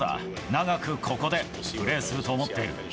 長くここでプレーすると思っている。